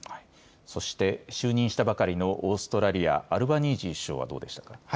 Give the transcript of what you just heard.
そして就任したばかりのオーストラリア、アルバニージー首相はどうでしたか。